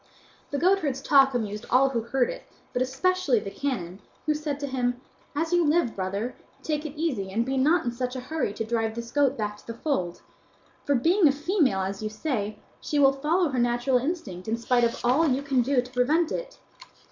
The goatherd's talk amused all who heard it, but especially the canon, who said to him, "As you live, brother, take it easy, and be not in such a hurry to drive this goat back to the fold; for, being a female, as you say, she will follow her natural instinct in spite of all you can do to prevent it.